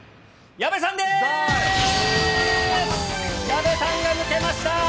矢部さんが抜けました！